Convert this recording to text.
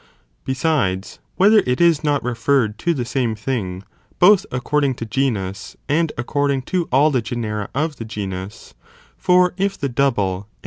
Besides, whether it is not referred to the same tn. Oraceord thing, both according to genus and according to ἰδ teal the all the genera of the genus, for if the double and genus.